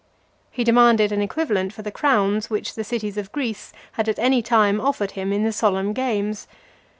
He demanded an equivalent for the crowns which the cities of (361) Greece had at any time offered him in the solemn games.